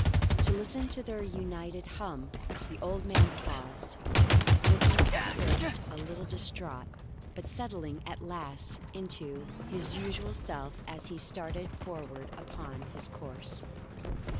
To listen to their united hum, the old man paused, looking at first a little distraught, but settling at last into his usual self as he started forward upon his course.